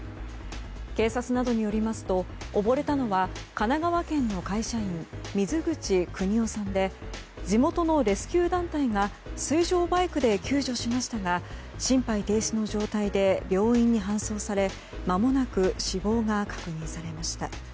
警察などによりますと溺れたのは神奈川県の会社員水口邦夫さんで地元のレスキュー団体が水上バイクで救助しましたが心肺停止の状態で病院に搬送されまもなく死亡が確認されました。